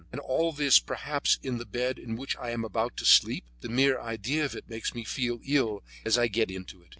And all this, perhaps, in the bed in which I am about to sleep! The mere idea of it makes me feel ill as I get into it.